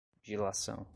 dilação